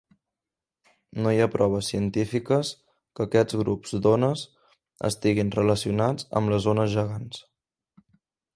No hi ha proves científiques que aquests grups d'ones estiguin relacionats amb les ones gegants.